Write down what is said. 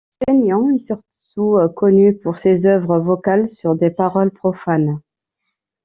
Faignient est surtout connu pour ses œuvres vocales sur des paroles profanes.